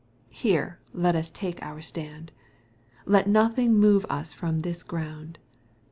Here let us take our stand. Let nothing move us from this ground.